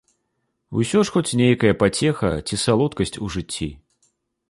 Усё ж хоць нейкая пацеха ці салодкасць у жыцці.